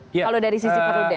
kalau dari sisi perlodem